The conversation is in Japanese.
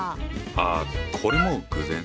ああこれも偶然。